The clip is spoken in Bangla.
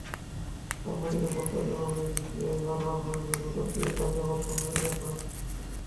সাংবাদিকদের প্রশ্নের জবাবে বিসিসিআই বারবার বলেছে, দুজনের বিয়েটা কেবল সময়ের ব্যাপার।